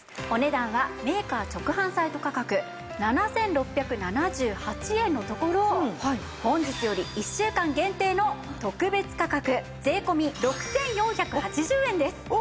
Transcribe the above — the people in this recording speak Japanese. お値段はメーカー直販サイト価格７６７８円のところ本日より１週間限定の特別価格税込６４８０円です。